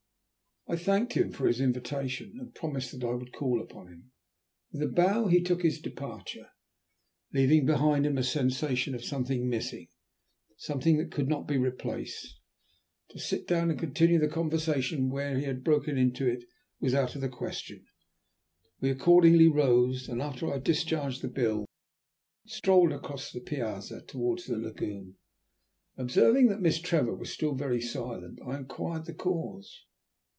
I thanked him for his invitation, and promised that I would call upon him. Then with a bow he took his departure, leaving behind him a sensation of something missing, something that could not be replaced. To sit down and continue the conversation where he had broken into it was out of the question. We accordingly rose, and after I had discharged the bill, strolled across the piazza towards the lagoon. Observing that Miss Trevor was still very silent, I inquired the cause.